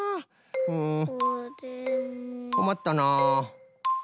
うんこまったな。